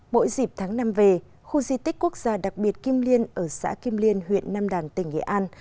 mỗi dịp tháng năm về khu di tích quốc gia đặc biệt kim liên ở xã kim liên huyện nam đàn tỉnh nghệ an